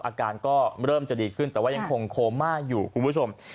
อาการก็เริ่มจะดีขึ้นแต่ว่ายังคงโคม่าอยู่คุณผู้ชม